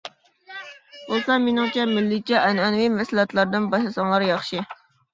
بولسا مېنىڭچە، مىللىيچە ئەنئەنىۋى مەھسۇلاتلاردىن باشلىساڭلار ياخشى.